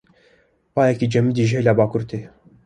Bayekî cemidî ji hêla bakur tê.